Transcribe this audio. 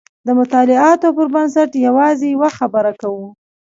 د مطالعاتو پر بنسټ یوازې یوه خبره کوو.